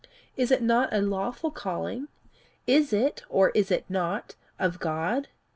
Is it not a lawful calling? Is it, or is it not, of God?